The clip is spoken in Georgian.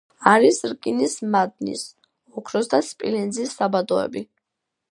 არის რკინის მადნის, ოქროს და სპილენძის საბადოები.